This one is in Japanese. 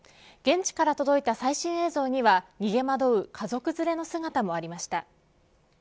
現地から届いた最新映像には逃げまどう家族連れの姿がありました。